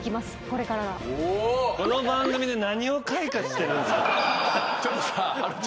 この番組で何を開花してるんすか。